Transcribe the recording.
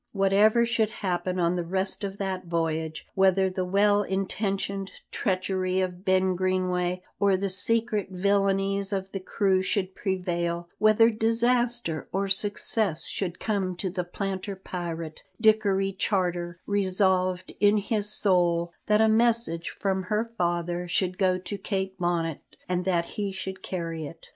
Whatever should happen on the rest of that voyage; whether the well intentioned treachery of Ben Greenway, or the secret villainies of the crew, should prevail; whether disaster or success should come to the planter pirate, Dickory Charter resolved in his soul that a message from her father should go to Kate Bonnet, and that he should carry it.